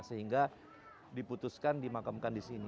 sehingga diputuskan dimakamkan di sini